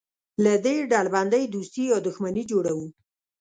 له دې ډلبندۍ دوستي یا دښمني جوړوو.